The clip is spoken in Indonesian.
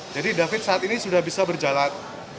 jadi david saat ini sudah bisa berjalan